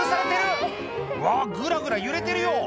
うわグラグラ揺れてるよ！